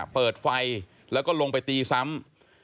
เปิดไฟแล้วก็ลงไปตีซ้ำ